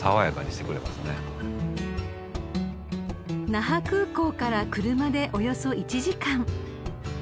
［那覇空港から車でおよそ１時間］